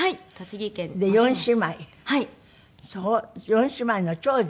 ４姉妹の長女？